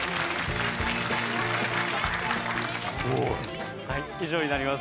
おいはい以上になります